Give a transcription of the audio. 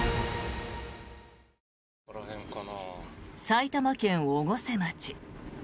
埼玉県越生町。